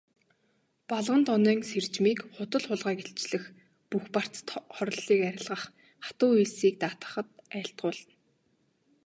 Балгандонойн сэржмийг худал хулгайг илчлэх, бүх барцад хорлолыг арилгах, хатуу үйлсийг даатгахад айлтгуулна.